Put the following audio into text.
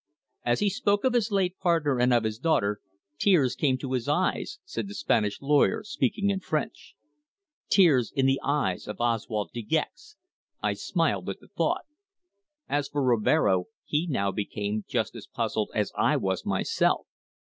"As he spoke of his late partner, and of his daughter, tears came to his eyes," said the Spanish lawyer, speaking in French. Tears in the eyes of Oswald De Gex! I smiled at the thought. As for Rivero he now became just as puzzled as I was myself.